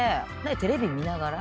テレビ見ながら。